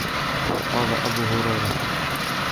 قَالَ أَبُو هُرَيْرَةَ